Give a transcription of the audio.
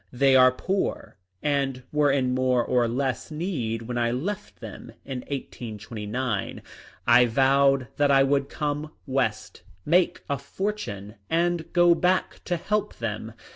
They are poor, and were in more or less need when I left them in 1829. I vowed that I would come West, make a fortune, and go back to help them.